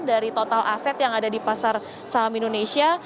dari total aset yang ada di pasar saham indonesia